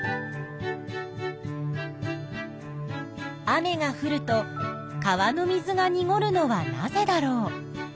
雨がふると川の水がにごるのはなぜだろう？